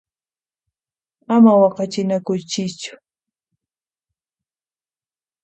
Ama waqachinakuychischu!